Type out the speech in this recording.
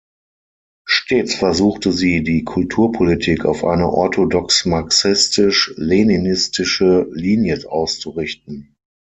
Stets versuchte sie die Kulturpolitik auf eine orthodox marxistisch-leninistische Linie auszurichten.